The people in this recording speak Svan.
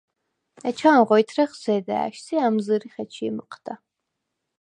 ეჩანღო ითრეხ ზედა̈შს ი ა̈მზჷრიხ ეჩი̄ მჷჴდა.